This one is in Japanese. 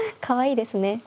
かわいいですね。